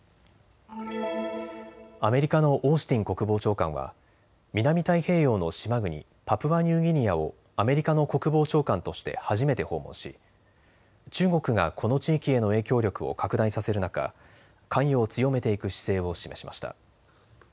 アメリカのオースティン国防長官は南太平洋の島国パプアニューギニアをアメリカの国防長官として初めて訪問し中国がこの地域への影響力を拡大させる中、関与を強めていく姿勢を示しました。